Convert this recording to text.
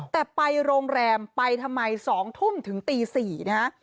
แต่ไปโรงแรมไปทำไม๒ทุ่มถึงตี๔นะฮะ